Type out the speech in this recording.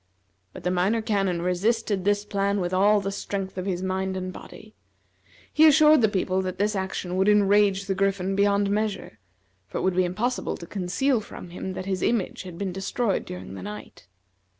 But the Minor Canon resisted this plan with all the strength of his mind and body. He assured the people that this action would enrage the Griffin beyond measure, for it would be impossible to conceal from him that his image had been destroyed during the night.